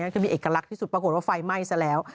จะมีเอกลักษณ์ที่สุดปรากฏว่าไฟไหม้ซะแล้ว